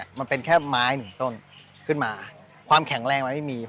ชื่องนี้ชื่องนี้ชื่องนี้ชื่องนี้ชื่องนี้ชื่องนี้